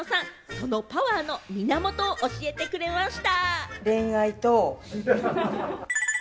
そのパワーの源を教えてくれました。